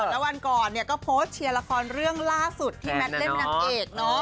พวกใช้แบบข้ามนี้มากกว่านี้ก็โพสเชียราคอนเรื่องล่าสุดที่แมทเล่มหนังเอก